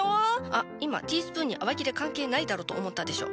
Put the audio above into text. あっ今ティースプーンに洗剤いらねえだろと思ったでしょ。